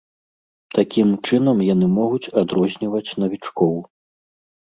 Такім чынам яны могуць адрозніваць навічкоў.